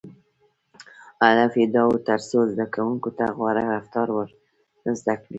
• هدف یې دا و، تر څو زدهکوونکو ته غوره رفتار ور زده کړي.